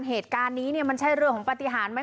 เหตุการณ์นี้เนี่ยมันใช่เรื่องของปฏิหารไหม